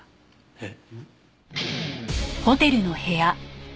えっ？